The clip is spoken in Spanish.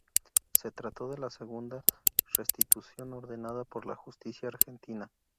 Se trató de la segunda restitución ordenada por la justicia argentina.